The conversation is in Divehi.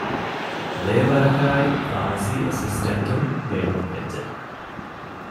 ލޭބަރަކާއި ފާމަސީ އެސިސްޓެންޓުން ބޭނުންވެއްޖެ